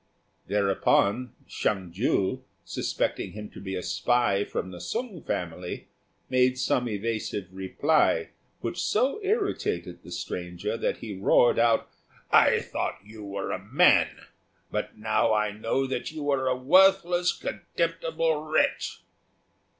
Thereupon Hsiang ju, suspecting him to be a spy from the Sung family, made some evasive reply, which so irritated the stranger that he roared out, "I thought you were a man; but now I know that you are a worthless, contemptible wretch."